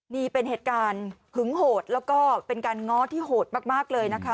นี่เป็นเหตุการณ์หึงโหดแล้วก็เป็นการง้อที่โหดมากเลยนะคะ